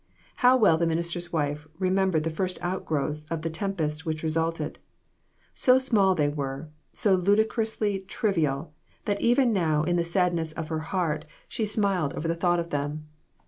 How well the minister's wife remem bered the first outgrowths of the tempest which resulted ! So small they were, so ludicrously triv ial, that even now in the sadness of her heart she IQ8 CROSS LOTS. smiled over the thought of them.